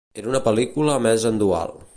Una pel·lícula emesa en dual.